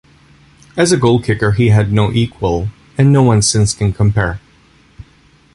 As a goalkicker he had no equal - and no one since can compare.